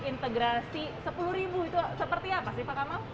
integrasi rp sepuluh itu seperti apa sih pak kamau